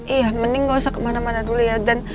iya mending nggak usah kemana mana dulu ya